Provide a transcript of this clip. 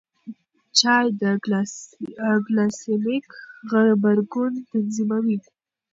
چای د ګلاسیمیک غبرګون تنظیموي.